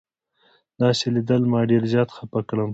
داسې لیدل ما ډېر زیات خفه کړم.